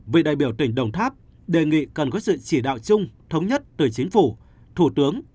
vị đại biểu tỉnh đồng tháp đề nghị cần có sự chỉ đạo chung thống nhất từ chính phủ thủ tướng